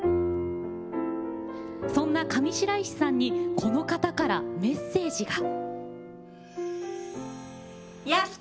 そんな上白石さんにこの方からメッセージが。